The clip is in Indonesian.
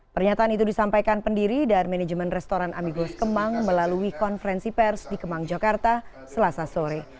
pernyataan itu disampaikan pendiri dan manajemen restoran amigos kemang melalui konferensi pers di kemang jakarta selasa sore